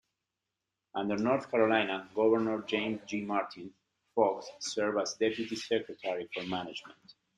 Under North Carolina Governor James G. Martin, Foxx served as Deputy Secretary for Management.